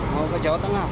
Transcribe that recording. mau ke jawa tengah